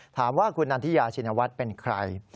ถามว่าคุณนันทิยาชินวัฒน์เป็นใคร